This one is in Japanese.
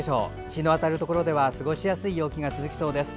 日の当たるところでは過ごしやすい陽気が続きそうです。